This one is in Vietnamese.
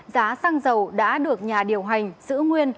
giá xăng dầu đã được nhà điều hành giữ nguyên